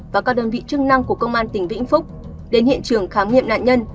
và các đơn vị chức năng của công an tỉnh vĩnh phúc đến hiện trường khám nghiệm nạn nhân